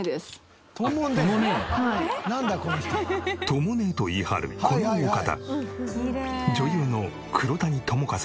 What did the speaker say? とも姉と言い張るこのお方。